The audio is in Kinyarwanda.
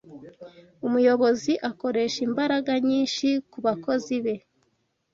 umuyobozi akoresha imbaraga nyinshi kubakozi be